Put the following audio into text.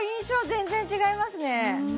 全然違いますね